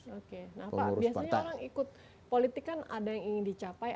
biasanya orang ikut politik kan ada yang ingin dicapai